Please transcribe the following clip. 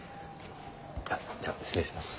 あじゃあ失礼します。